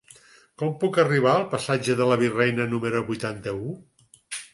Com puc arribar al passatge de la Virreina número vuitanta-u?